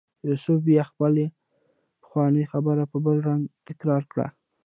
یوسف بیا خپله پخوانۍ خبره په بل رنګ تکرار کړه.